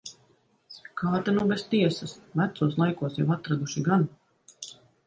Kā ta nu bez tiesas. Vecos laikos jau atraduši gan.